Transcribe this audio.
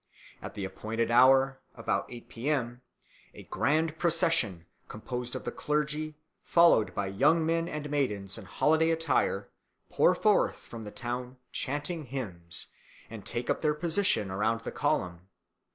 At an appointed hour about 8 P.M. a grand procession, composed of the clergy, followed by young men and maidens in holiday attire, pour forth from the town chanting hymns, and take up their position around the column.